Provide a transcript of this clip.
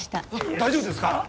大丈夫ですから。